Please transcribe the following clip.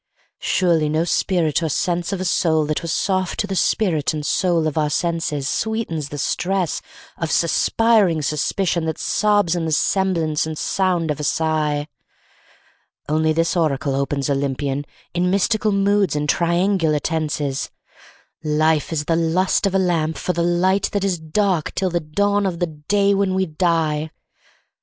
Surely no spirit or sense of a soul that was soft to the spirit and soul of our senses Sweetens the stress of suspiring suspicion that sobs in the semblance and sound of a sigh; Only this oracle opens Olympian, in mystical moods and triangular tenses "Life is the lust of a lamp for the light that is dark till the dawn of the day when we die."